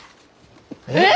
えっ！？